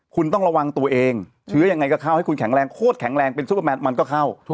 คุณต้องระวังตัวเองเชื้อยังไงก็เข้าให้คุณแข็งแรงโคตรแข็งแรงเป็นซุปเปอร์แมนมันก็เข้า